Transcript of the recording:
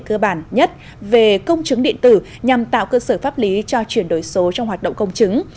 cơ bản nhất về công chứng điện tử nhằm tạo cơ sở pháp lý cho chuyển đổi số trong hoạt động công chứng